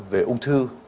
về ung thư